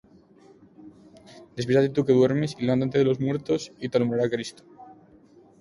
Despiértate, tú que duermes, y levántate de los muertos, y te alumbrará Cristo.